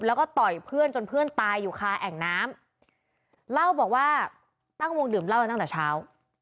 แล้วก็ต่อยเพื่อนจนเพื่อนตายอยู่คาแอ่งน้ำเล่าบอกว่าตั้งวงดื่มเหล้ากันตั้งแต่เช้า